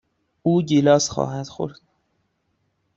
او گیلاس خواهد خورد.